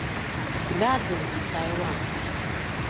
gadu i Taiwan